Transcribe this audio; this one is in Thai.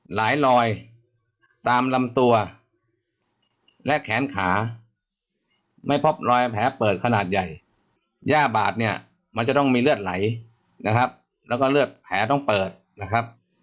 ลอยตามลำตัวและแขนขาไม่พบรอยแผลเปิดขนาดใหญ่ย่าบาดเนี่ยมันจะต้องมีเลือดไหลนะครับแล้วก็เลือดแผลต้องเปิดนะครับ